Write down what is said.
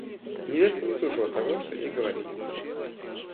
Невеста не слушала того, что ей говорили.